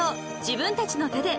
自分たちの手で］